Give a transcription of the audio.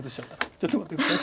ちょっと待って下さい。